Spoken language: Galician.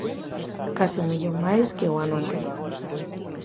Case un millón máis que o ano anterior.